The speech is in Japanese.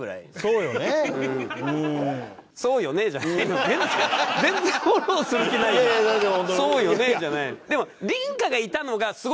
「そうよね」じゃないの。